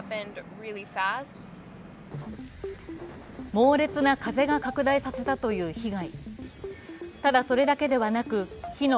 猛烈な風が拡大させたという被害。